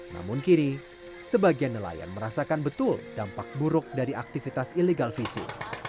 namun kini sebagian nelayan merasakan betul dampak buruk dari aktivitas illegal fishing